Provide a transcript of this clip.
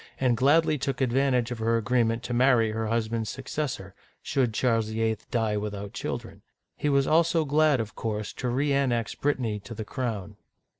and gladly took advantage of her agreement to marry her husband's successor, r should Charles VIII. die without children. He was also glad, of course, to reannex Brit tany to the crown.